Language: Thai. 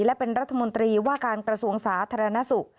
และเป็นรัฐมนตรีว่าการกระทรวงสาธารณสุข